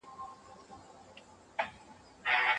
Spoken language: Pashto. خیر محمد ته د خپل پلار خبرې ور یادې شوې چې همت مه بایلئ.